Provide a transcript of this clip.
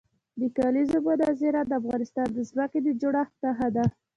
د کلیزو منظره د افغانستان د ځمکې د جوړښت نښه ده.